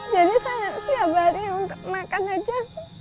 jadi sangat siabari untuk makan saja